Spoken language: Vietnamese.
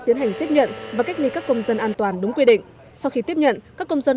tiến hành tiếp nhận và cách ly các công dân an toàn đúng quy định sau khi tiếp nhận các công dân